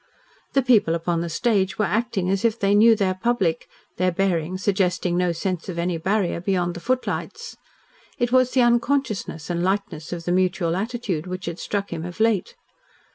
The people upon the stage were acting as if they knew their public, their bearing suggesting no sense of any barrier beyond the footlights. It was the unconsciousness and lightness of the mutual attitude which had struck him of late.